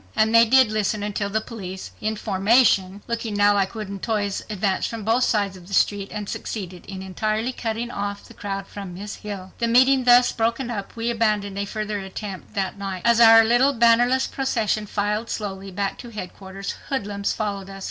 And they did listen until the police, in formation—looking now like wooden toys—advanced from both sides of the street and succeeded in entirely cutting off the crowd from Miss Hill. The meeting thus broken up, we abandoned a further attempt that night. As our little, bannerless procession filed slowly back to headquarters, hoodlums followed us.